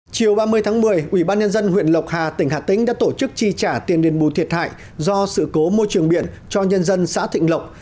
chiều ba mươi tháng một mươi ubnd huyện lộc hà tỉnh hà tĩnh đã tổ chức chi trả tiền đền bù thiệt hại do sự cố môi trường biển cho nhân dân xã thịnh lộc